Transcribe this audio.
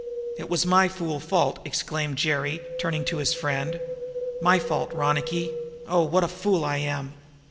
"It was my fool fault," exclaimed Jerry, turning to his friend. "My fault, Ronicky! Oh, what a fool I am!"